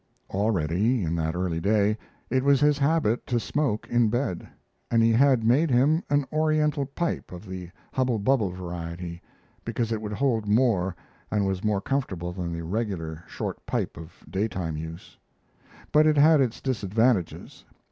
Already in that early day it was his habit to smoke in bed, and he had made him an Oriental pipe of the hubble bubble variety, because it would hold more and was more comfortable than the regular short pipe of daytime use. But it had its disadvantages.